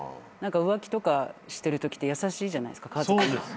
何か浮気とかしてるときって優しいじゃないですか？